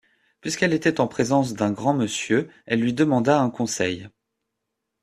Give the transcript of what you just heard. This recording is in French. Puisqu’elle était en présence d’un grand monsieur, elle lui demanda un conseil.